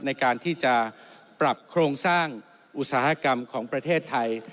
ในการที่จะปรับโครงสร้างอุตสาหกรรมของประเทศไทย